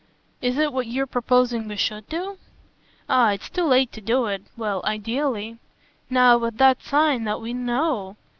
"Is it what you're proposing we SHOULD do?" "Ah it's too late to do it well, ideally. Now, with that sign that we KNOW